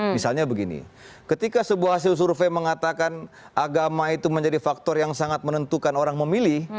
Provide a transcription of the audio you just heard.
misalnya begini ketika sebuah hasil survei mengatakan agama itu menjadi faktor yang sangat menentukan orang memilih